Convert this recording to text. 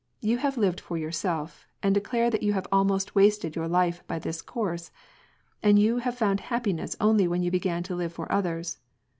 You have lived for yourself, and declare that you have almost wasted your life by this course, and you have found happiness only when you began to live for others.